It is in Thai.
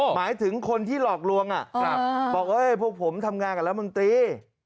หมายถึงคนที่หลอกลวงบอกพวกผมทำงานกับรัฐมนตรี